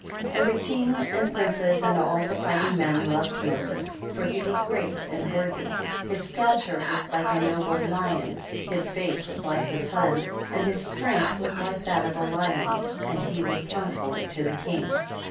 24. And the king and princes and all the fighting men loved Moses, for he was great and worthy, his stature was like a noble' lion, his face was like the sun, and his strength was like that of a lion, and he was counsellor to the king.